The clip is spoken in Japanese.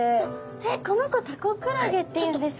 えっこの子タコクラゲっていうんですか？